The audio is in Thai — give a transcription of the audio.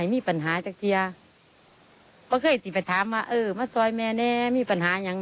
จากผมเลยเป็นอีกนิดนึง